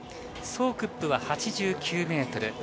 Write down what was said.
ソウクップは８９ｍ。